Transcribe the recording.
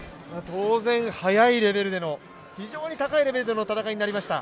当然、速いレベルでの非常に高いレベルでの戦いになりました。